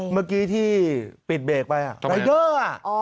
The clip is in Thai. เมื่อกี้ที่ปิดเบรกไปรายเดอร์